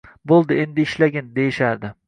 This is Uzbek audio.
Bo’ldi, endi ishlagin”, deyishardi.